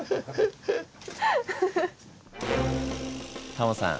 タモさん